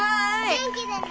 元気でね。